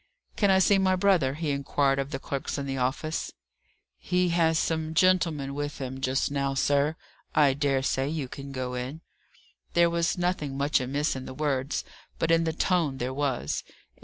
"Can I see my brother?" he inquired of the clerks in the office. "He has some gentlemen with him just now, sir. I dare say you can go in." There was nothing much amiss in the words; but in the tone there was.